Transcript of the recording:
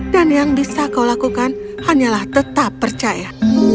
dan yang bisa kau lakukan hanyalah tetap percaya